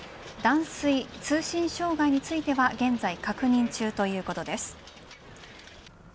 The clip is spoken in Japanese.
断水、通信障害については現在確認中ということです。